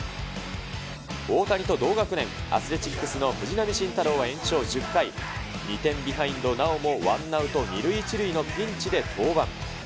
大谷と同学年、アスレチックスの藤浪晋太郎は延長１０回、２点ビハインド、なおもワンアウト２塁１塁のピンチで登板。